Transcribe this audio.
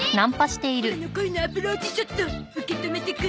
オラの恋のアプローチショット受け止めてくんない？